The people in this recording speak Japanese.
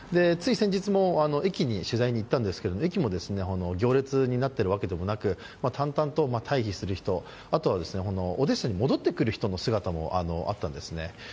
つい先日も駅に取材に行ったんですけれども、駅も行列になっているわけでもなく、淡々と退避する人、あとはオデッサに戻ってくる人の姿もあったんですね。